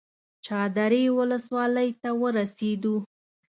چادرې ولسوالۍ ته ورسېدو.